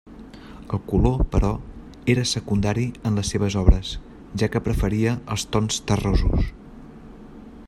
El color, però, era secundari en les seves obres, ja que preferia els tons terrosos.